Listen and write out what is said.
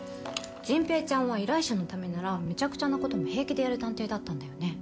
迅平ちゃんは依頼者のためならむちゃくちゃなことも平気でやる探偵だったんだよね。